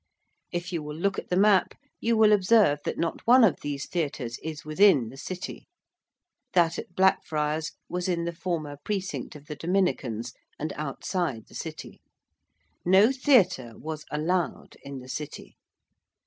If you will look at the map you will observe that not one of these theatres is within the City that at Blackfriars was in the former precinct of the Dominicans and outside the City. No theatre was allowed in the City.